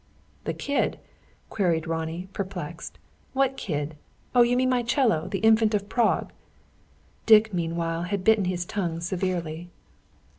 "The kid?" queried Ronnie, perplexed. "What kid? Oh, you mean my 'cello the Infant of Prague." Dick, meanwhile, had bitten his tongue severely.